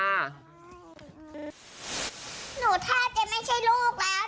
หนูแทบจะไม่ใช่ลูกแล้ว